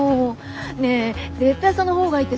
ねぇ絶対その方がいいって。